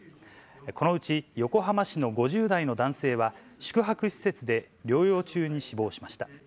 このうち横浜市の５０代の男性は、宿泊施設で療養中に死亡しました。